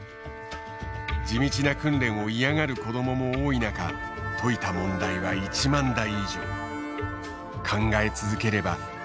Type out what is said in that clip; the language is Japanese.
地道な訓練を嫌がる子どもも多い中解いた問題は１万題以上。